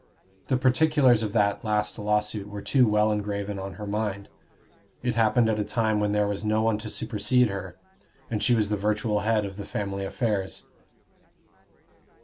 The particulars of that last lawsuit were too well engraven on her mind: it happened at a time when there was no one to supersede her, and she was the virtual head of the family affairs.